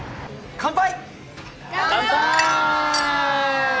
乾杯！